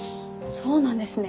そうなんですね。